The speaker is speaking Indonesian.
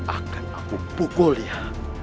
akan aku pukul ya